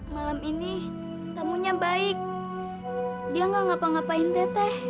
malam ini tamunya baik dia gak ngapa ngapain teteh